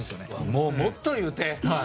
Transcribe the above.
もう、もっと言うて！